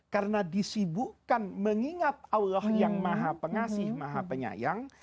karena disibukkan mengingat allah yang maha pengasih maha penyayang